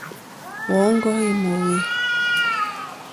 Wɔ̂ŋɡɔ́ í mòwê.